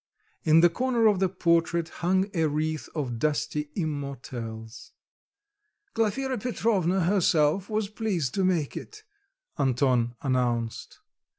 In the corner of the portrait hung a wreath of dusty immortelles. "Glafira Petrovna herself was pleased to make it," Anton announced.